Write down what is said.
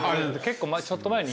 ちょっと前に。